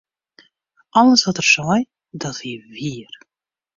Alles wat er sei, dat wie wier.